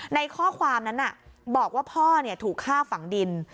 ในข้อความนั้นน่ะบอกว่าพ่อเนี่ยถูกฆ่าฝั่งดิน